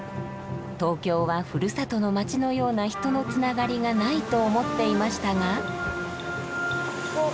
東京はふるさとの街のような人のつながりがないと思っていましたが。